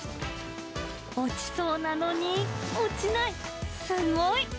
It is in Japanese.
落ちそうなのに落ちない、すごい。